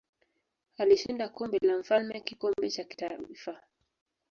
Alishinda Kombe la Mfalme kikombe cha kitaifa.